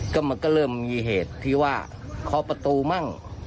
ก็เริ่มมีเหตุที่ว่าคอประตูมั่ง